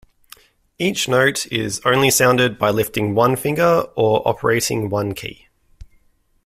Each note is only sounded by lifting one finger or operating one key.